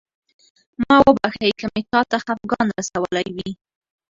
ما وبښئ که مې چاته خفګان رسولی وي.